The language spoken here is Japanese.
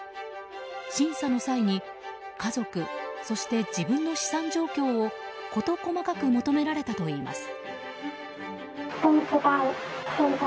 審査の際に家族そして、自分の資産状況を事細かく求められたといいます。